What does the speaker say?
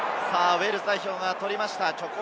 ウェールズ代表が取りました。